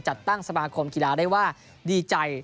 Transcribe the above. จัดตั้งสมาคมกีฬาได้ว่าดีใจ